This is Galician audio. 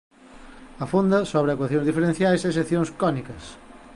Afonda sobre ecuacións diferenciais e seccións cónicas.